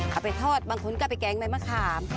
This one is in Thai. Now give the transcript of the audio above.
เอาไปทอดบางคนก็ไปแกงใบมะขาม